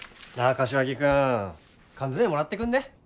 柏木君缶詰もらってくんね？